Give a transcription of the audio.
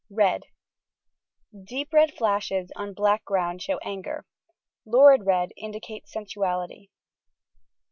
Red: deep red flashes on black ground show anger : lurid red indicates sensuality.